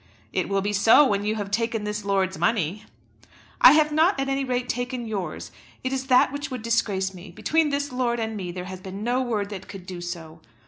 "It will be so when you have taken this lord's money." "I have not at any rate taken yours. It is that which would disgrace me. Between this lord and me there has been no word that could do so."